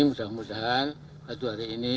mudah mudahan hari ini